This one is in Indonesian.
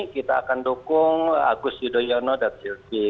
kita akan dukung agus yudhoyono dan silvi